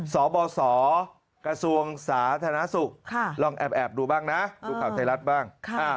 สบสกระทรวงสาธารณสุขลองแอบดูบ้างนะดูข่าวไทยรัฐบ้าง